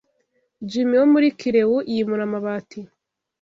Jimi wo muri kirewu yimura amabati